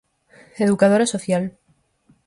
Educadora social.